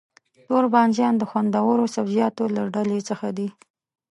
توربانجان د خوندورو سبزيجاتو له ډلې څخه دی.